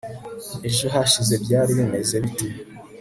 ejo hashize byari bimeze bite